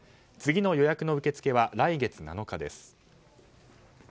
次の予約の受け付けは来月７日です。